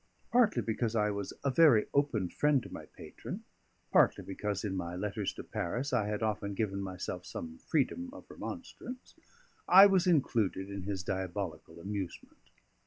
Partly because I was a very open friend to my patron, partly because in my letters to Paris I had often given myself some freedom of remonstrance, I was included in his diabolical amusement.